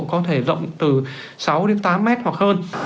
có thể rộng từ sáu đến tám mét hoặc hơn